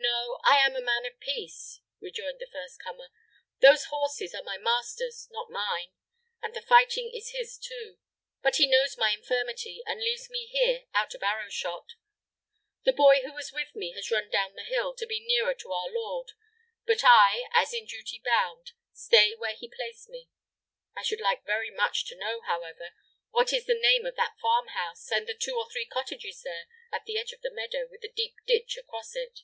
"No. I am a man of peace," rejoined the first comer. "Those horses are my master's, not mine; and the fighting is his too. But he knows my infirmity, and leaves me here out of arrow shot. The boy who was with me has run down the hill, to be nearer to our lord; but I, as in duty bound, stay where he placed me. I should like very much to know, however, what is the name of that farm house and the two or three cottages there, at the edge of the meadow, with the deep ditch across it."